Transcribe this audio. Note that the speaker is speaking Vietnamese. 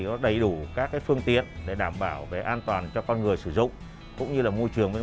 có đầy đủ các phương tiện để đảm bảo về an toàn cho con người sử dụng cũng như là môi trường